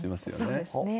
そうですね。